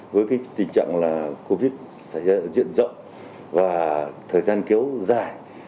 với tình trạng covid diễn rộng và thời gian kéo dài